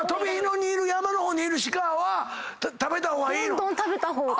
どんどん食べた方が。